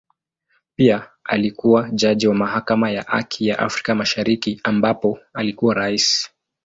Pia alikua jaji wa Mahakama ya Haki ya Afrika Mashariki ambapo alikuwa Rais.